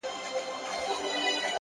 پرمختګ د نن له پرېکړو پیلېږي.!